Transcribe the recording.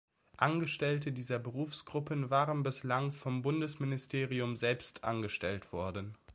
Angestellte dieser Berufsgruppen waren bislang vom Bundesministerium selbst angestellt worden.